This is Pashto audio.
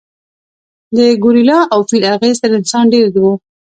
د ګورېلا او فیل اغېز تر انسان ډېر و.